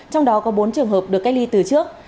trong đó có bốn trường hợp được cách ly từ trước